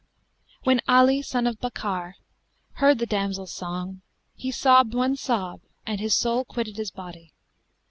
When Ali son of Bakkar heard the damsel's song, he sobbed one sob and his soul quitted his body.